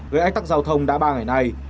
gây ách tắc giao thông đã ba ngày nay